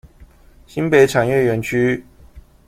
新北產業園區